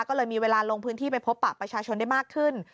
ก็เลยมีเวลาลงพื้นที่ไปพบปะประชาชนได้มากขึ้น